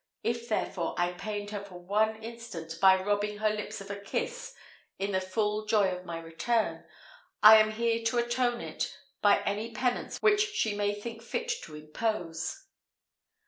If, therefore, I pained her for one instant, by robbing her lips of a kiss in the full joy of my return, I am here to atone it by any penance which she may think fit to impose."